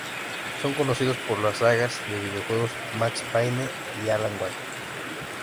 Son conocidos por las sagas de videojuegos "Max Payne" y "Alan Wake".